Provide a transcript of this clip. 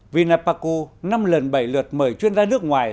vinapaco năm lần bảy lượt mời chuyên gia nước ngoài